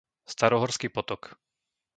Starohorský potok